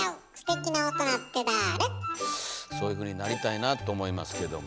そういうふうになりたいなと思いますけども。